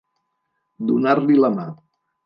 Donar-li la mà.